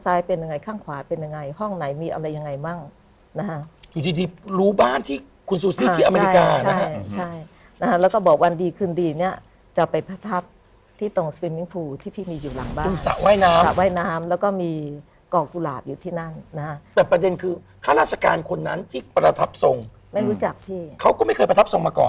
แทงเข็มไม่เข้าหรอฮะ